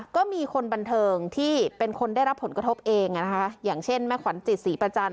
ก็มีคนบันเทิงที่เป็นคนได้รับผลกระทบเองอย่างเช่นแม่ขวัญจิตศรีประจันท